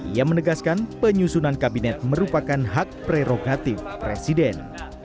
ia menegaskan penyusunan kabinet merupakan hak prerogatif presiden